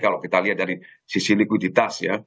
kalau kita lihat dari sisi likuiditas ya